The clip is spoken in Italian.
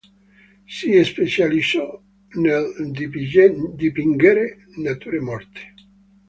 Si specializzò nel dipingere nature morte.